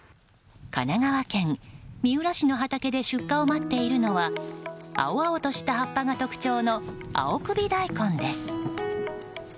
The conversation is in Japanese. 神奈川県三浦市の畑で出荷を待っているのは青々とした葉っぱが特徴の青首大根です。